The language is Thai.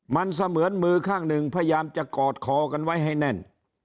มันเสมือนมือข้างหนึ่งพยายามจะกอดคอกันไว้ให้แน่น